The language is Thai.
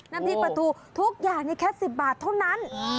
น้ำที่ประทูทุกอย่างในแค่๑๐บาทเท่านั้น